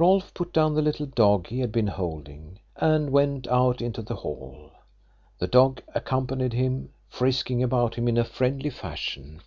Rolfe put down the little dog he had been holding, and went out into the hall. The dog accompanied him, frisking about him in friendly fashion.